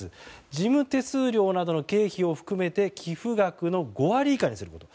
事務手数料などの経費を含めて寄付額の５割以下にすること。